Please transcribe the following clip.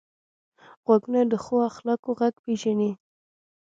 غوږونه د ښو اخلاقو غږ پېژني